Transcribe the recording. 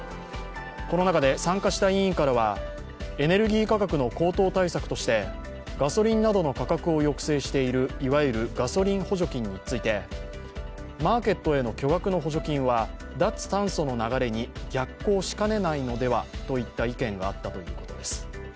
この中で参加した委員からはエネルギー価格の高騰対策としてガソリンなどの価格を抑制しているいわゆるガソリン補助金についてマーケットへの巨額の補助金は脱炭素の流れに逆行しかねないのではといった意見があったということです。